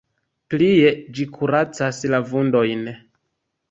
Plie ĝi kuracas la vundojn.